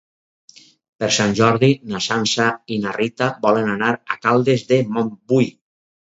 Per Sant Jordi na Sança i na Rita volen anar a Caldes de Montbui.